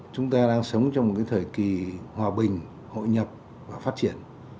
chúng ta đang sống trong một thời kỳ hòa bình hội nhập và phát triển